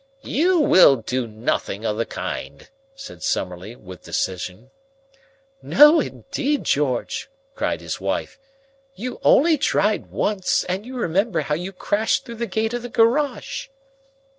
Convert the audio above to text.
"You will do nothing of the kind," said Summerlee with decision. "No, indeed, George!" cried his wife. "You only tried once, and you remember how you crashed through the gate of the garage."